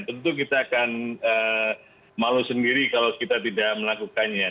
tentu kita akan malu sendiri kalau kita tidak melakukannya